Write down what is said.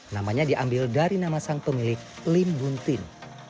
namanya diambil dari nama sang pemilik lim buntin